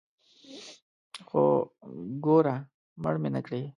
خو ګوره مړ مې نکړې.